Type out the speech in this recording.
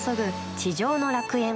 地上の楽園。